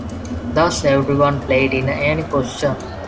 Thus, everyone played in any position.